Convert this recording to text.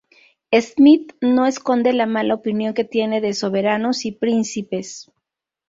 Smith no esconde la mala opinión que tiene de soberanos y príncipes.